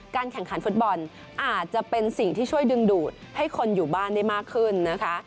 แข่งขันฟุตบอลอาจจะเป็นสิ่งที่ช่วยดึงดูดให้คนอยู่บ้านได้มากขึ้นนะคะ